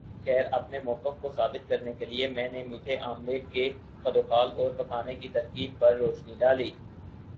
خیر اپنے موقف کو ثابت کرنے کے لئے میں نے میٹھے آملیٹ کے خدوخال اور پکانے کی ترکیب پر روشنی ڈالی